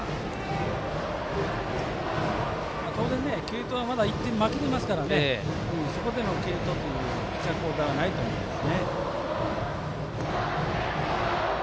当然、継投は負けていますからそこでの継投というピッチャー交代はないと思います。